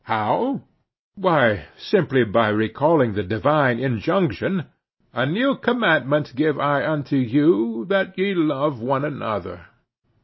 How? Why, simply by recalling the divine injunction: "A new commandment give I unto you, that ye love one another."